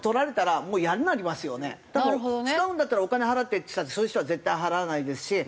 使うんだったらお金払ってっつったってそういう人は絶対払わないですしじゃあ